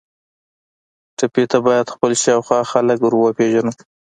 ټپي ته باید خپل شاوخوا خلک وروپیژنو.